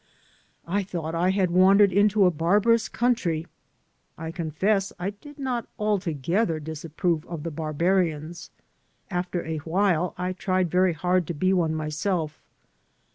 I thought I had wandered into a barbarous country. I confess I did not altogether disapprove of the bar barians. After a while I tried very hard to be one myself.